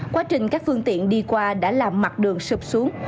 quá trình các phương tiện đi qua đã làm mặt đường sụp xuống